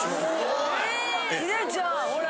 ・すごい・ヒデちゃんほら。